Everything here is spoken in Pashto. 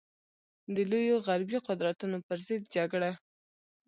د لویو غربي قدرتونو پر ضد جګړه.